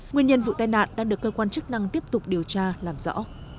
nguyên nhân vụ tai nạn đang được cơ quan chức năng tiếp tục điều tra làm rõ